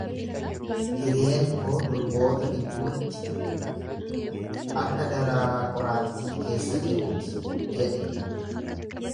Hiriyeen koo durboota gidduutti, akka daraaraa qoraattii keessa jiruuti jedhe.